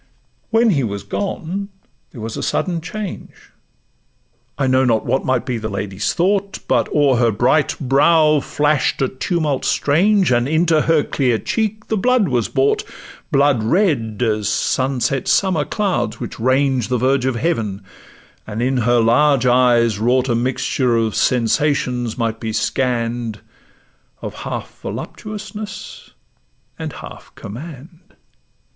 When he was gone, there was a sudden change: I know not what might be the lady's thought, But o'er her bright brow flash'd a tumult strange, And into her dear cheek the blood was brought, Blood red as sunset summer clouds which range The verge of Heaven; and in her large eyes wrought, A mixture of sensations might be scann'd, Of half voluptuousness and half command.